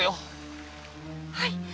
はい！